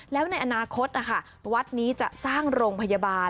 แล้วอาณาคตแต่วัดนี้จะสร้างโรงพยาบาล